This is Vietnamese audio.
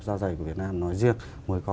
da dày của việt nam nói riêng mới có